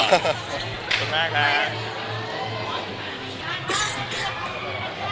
ขอบคุณมากค่ะ